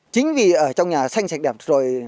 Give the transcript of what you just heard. chính vì ở trong nhà xanh sạch đẹp rồi